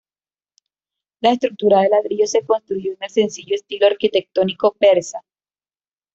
La estructura de ladrillo se construyó en el sencillo estilo arquitectónico persa.